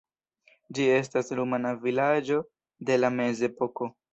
Ĝi estas rumana vilaĝo de la mezepoko.